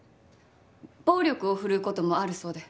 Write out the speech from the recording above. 暴力を振るう事もあるそうで。